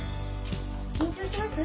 緊張します？